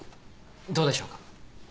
どうでしょうか。